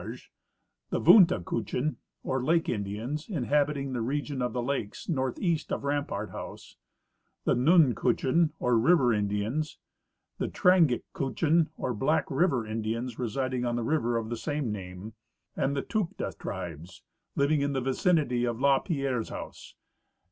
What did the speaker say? Large ; the Vunta Kutchin, or Lake Indians, inhabiting the region of the lalves northeast of Rampart House; the Nun Kutchin or River Indians ; the Trangik Kutchin, or Black River Indians, residing on the river of the same name ; and the Takudh tribes, living in the vicinity of la Pierre's house.